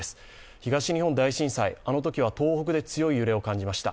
東日本大震災、あのときは東北で強い揺れを感じました。